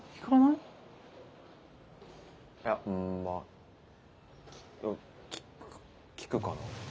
いやまぁ聞く聞くかな？